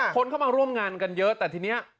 คนเข้ามาร่วมงานกันเยอะแต่ทีนี้